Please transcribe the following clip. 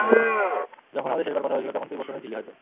যখন আমাদের শেষবার কথা হয়েছিল তখন তুই বোস্টনে ছিলি, হয়তো?